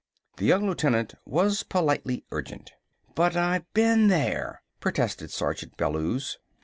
The young lieutenant was politely urgent. "But I been there!" protested Sergeant Bellews.